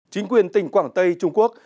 chính quyền tỉnh quảng tây trung quốc